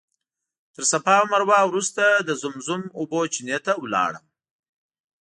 تر صفا او مروه وروسته د زمزم اوبو چینې ته لاړم.